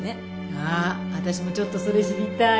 あっ私もちょっとそれ知りたい。